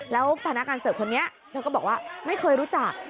แล้วพนักงานเสิร์ฟคนนี้เธอก็บอกว่าไม่เคยรู้จัก